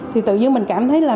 thì tự dưng mình cảm thấy là